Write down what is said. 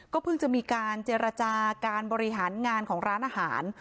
เพิ่งจะมีการเจรจาการบริหารงานของร้านอาหาร